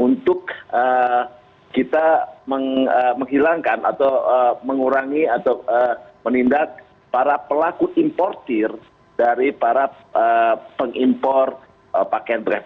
untuk kita menghilangkan atau mengurangi atau menindak para pelaku importir dari para pengimpor pakaian beras